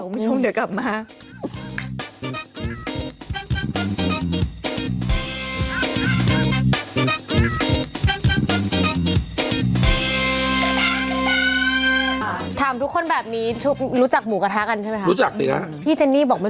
คุณธรรมจะถามทุกคนแบบนี้ลูกจักหมูกระทะกันใช่ไหมครับ